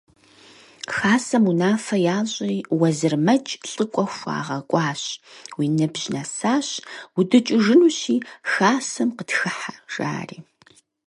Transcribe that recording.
Хасэм унафэ ящӏри, Уэзырмэдж лӏыкӏуэ хуагъэкӏуащ: – Уи ныбжь нэсащ, удукӏыжынущи, хасэм къытхыхьэ, – жари.